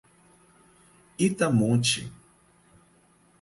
Itamonte